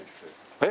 えっ？